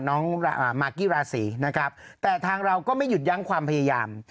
น้องมากกี้ราศีนะครับแต่ทางเราก็ไม่หยุดยั้งความพยายาม